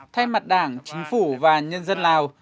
thay mặt đảng chính phủ và nhân dân lào